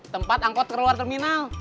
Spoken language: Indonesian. tempat angkot keluar terminal